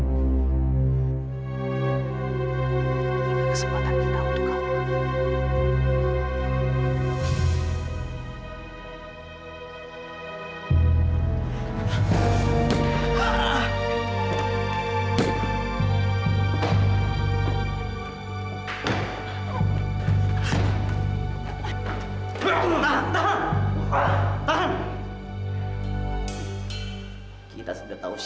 ini kesempatan kita untuk kamu